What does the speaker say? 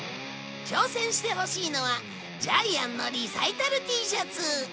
挑戦してほしいのはジャイアンのリサイタルＴシャツ。